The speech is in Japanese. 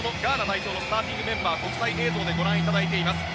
そのスターティングメンバーを国際映像でご覧いただいています。